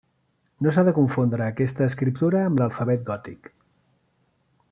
No s'ha de confondre aquesta escriptura amb l'alfabet gòtic.